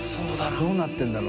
どうなってるんだろう？